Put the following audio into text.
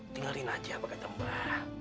tinggalin aja pak ketamu